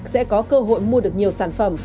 sẽ có cơ hội mua được nhiều sản phẩm